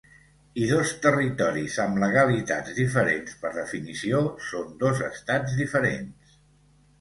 I dos territoris amb legalitats diferents per definició són dos estats diferents.